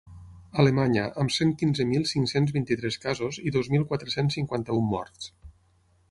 Alemanya, amb cent quinze mil cinc-cents vint-i-tres casos i dos mil quatre-cents cinquanta-un morts.